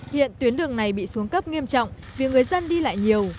hiện tuyến đường này bị xuống cấp nghiêm trọng vì người dân đi lại nhiều